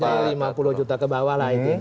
berarti lima puluh juta ke bawah lah itu